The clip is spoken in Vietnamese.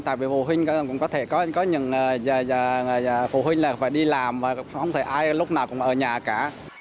tại vì phụ huynh cũng có những phụ huynh là phải đi làm và không thể ai lúc nào cũng ở nhà cả